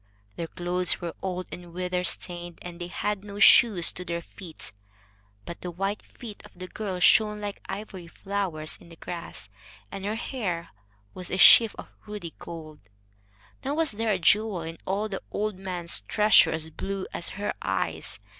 Their clothes were old and weather stained, and they had no shoes to their feet; but the white feet of the girl shone like ivory flowers in the grass, and her hair was a sheaf of ruddy gold. Nor was there a jewel in all the old man's treasure as blue as her eyes.